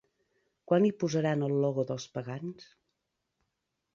¿Quan hi posaran el logo dels pagans?